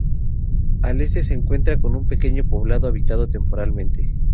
Al este se encuentra un pequeño poblado, habitado temporalmente.